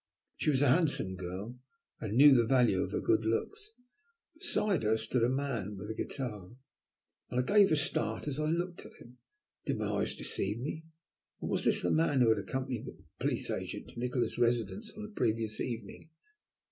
She was a handsome girl, and knew the value of her good looks. Beside her stood a man with a guitar, and I gave a start as I looked at him. Did my eyes deceive me, or was this the man who had accompanied the Police Agent to Nikola's residence on the previous evening?